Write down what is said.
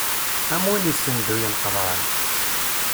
Am win issenduyen qeḍran.